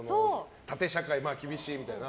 縦社会、厳しいみたいな。